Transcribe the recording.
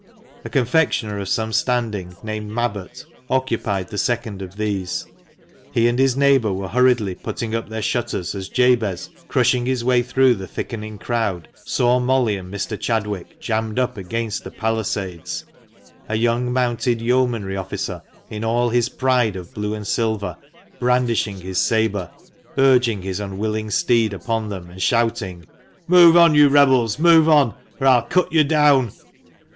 A confectioner of some standing named Mabbott occupied the second of these. He and his neighbour were hurriedly putting up their shutters as Jabez, crushing his way through the thickening crowd, saw Molly and Mr. Chadwick jammed up against the palisades, a young mounted yeomanry officer, in all his pride of blue and silver, brandishing his sabre, urging his unwilling steed upon them, and shouting —" Move on, you rebels, move on ! or I'll cut you down